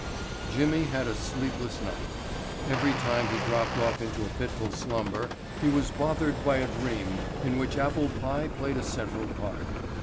Jimmy had a sleepless night. Every time he dropped off into a fitful slumber he was bothered by a dream in which apple pie played a central part.